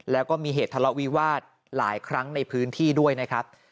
แล้วก็มีเหตุทะเลาะวิวาสหลายครั้งในพื้นที่ด้วยนะครับ